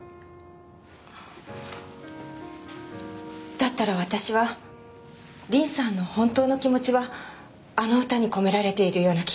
だったら私は凛さんの本当の気持ちはあの歌に込められているような気がします。